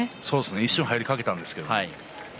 一瞬、入りかけたんですけれども。